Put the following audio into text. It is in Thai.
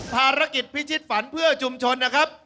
ภารกิจพิชิตฝันเพื่อชุมชนนะครับ